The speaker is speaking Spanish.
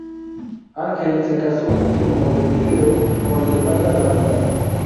Ángel se casó en Montevideo con Yolanda Landa.